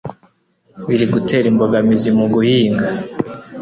biri gutera imbogamizi muguhinga